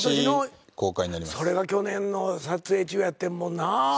それが去年の撮影中やってんもんな。